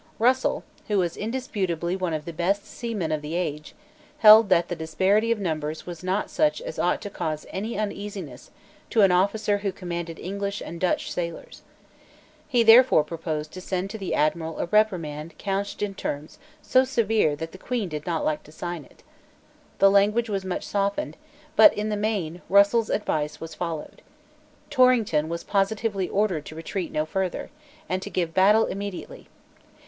Russell, who was indisputably one of the best seamen of the age, held that the disparity of numbers was not such as ought to cause any uneasiness to an officer who commanded English and Dutch sailors. He therefore proposed to send to the Admiral a reprimand couched in terms so severe that the Queen did not like to sign it. The language was much softened; but, in the main, Russell's advice was followed. Torrington was positively ordered to retreat no further, and to give battle immediately.